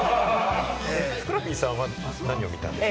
ふくらＰさんは何を見たんですか？